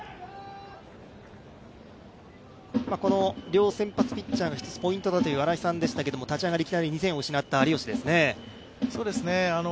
両先発ピッチャーがひとつポイントだという新井さんでしたが、立ち上がり、いきなり２点を失った有吉ですね。